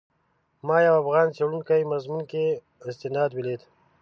ما یو افغان څېړونکي مضمون کې استناد ولید.